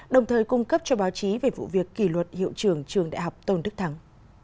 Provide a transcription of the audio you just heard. đồng thời cung cấp cho báo chí về vụ việc kỷ luật hiệu trưởng trường đại học tôn đức thắng